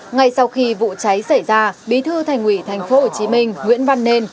ngay sau khi vụ cháy xảy ra bí thư thành ủy tp hcm nguyễn văn nên